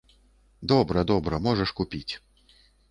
Добра, добра, можаш купіць.